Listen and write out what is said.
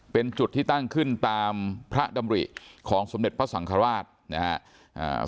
เป็นจุดที่ตั้งขึ้นตามพระดำริของสมเด็จพระสังฆราชนะครับ